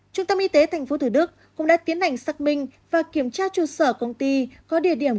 trung tâm y tế tp thủ đức cũng đã tiến hành xác minh và kiểm tra chủ sở công ty có địa điểm